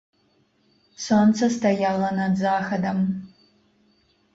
Сонца стаяла над захадам.